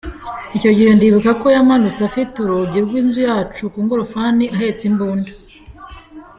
Icyo gihe ndibuka ko yamanutse afite urugi rw’inzu yacu ku ngorofani ahetse imbunda.